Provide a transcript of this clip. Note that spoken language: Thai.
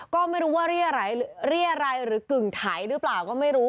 ก็ไม่รู้ว่าเรียรัยหรือกึ่งไถหรือเปล่าก็ไม่รู้